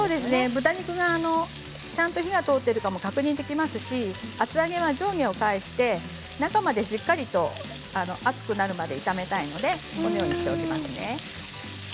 豚肉に、ちゃんと火が通っているかも確認できますし厚揚げは上下を返して中までしっかり熱くなるまで炒めたいのでこのようにしていますね。